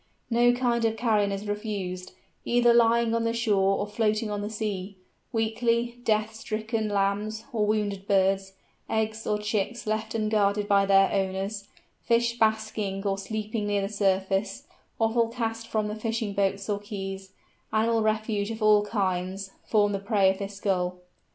No kind of carrion is refused, either lying on the shore or floating on the sea—weakly, death stricken lambs or wounded birds, eggs or chicks left unguarded by their owners, fish basking or sleeping near the surface, offal cast from the fishing boats or quays, animal refuse of all kinds, form the prey of this Gull.